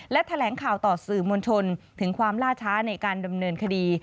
และแถลงข่าวต่อสื่อมวลชนถึงความล่าช้าในการดำเนินคดี